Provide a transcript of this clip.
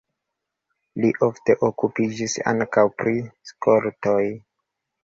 Li ofte okupiĝis ankaŭ pri skoltoj.